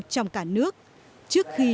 trong cả nước trước khi